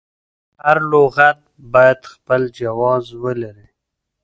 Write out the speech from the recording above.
هر لغت باید خپل جواز ولري.